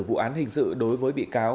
vụ án hình sự đối với bị cáo